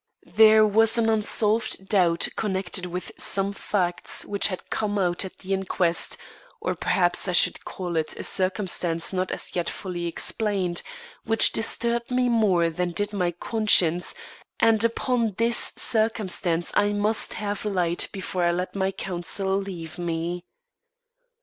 There was an unsolved doubt connected with some facts which had come out at the inquest or perhaps, I should call it a circumstance not as yet fully explained which disturbed me more than did my conscience, and upon this circumstance I must have light before I let my counsel leave me.